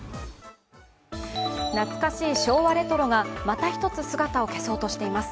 懐かしい昭和レトロが、また１つ姿を消そうとしています。